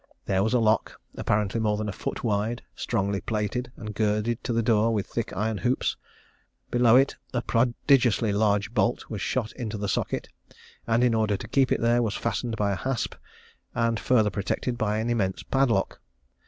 There was a lock, apparently more than a foot wide, strongly plated, and girded to the door with thick iron hoops. Below it a prodigiously large bolt was shot into the socket, and, in order to keep it there, was fastened by a hasp, and further protected by an immense padlock.